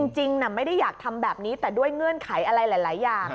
ไม่ได้อยากทำแบบนี้แต่ด้วยเงื่อนไขอะไรหลายอย่าง